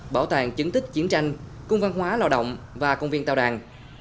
bảo tàng chứng tích chiến tranh cung văn hóa lao động và công viên tàu đàn